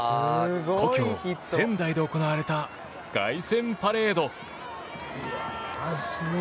故郷・仙台で行われた凱旋パレード。